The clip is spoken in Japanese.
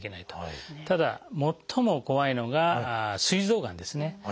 ただ最も怖いのがすい臓がんですね。